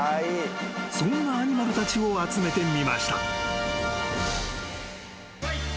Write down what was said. ［そんなアニマルたちを集めてみました］